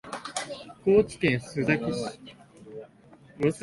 高知県須崎市